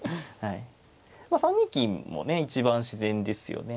３二金もね一番自然ですよね。